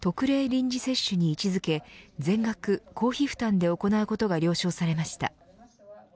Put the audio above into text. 臨時接種に位置付け全額公費負担で行うことが了承されました。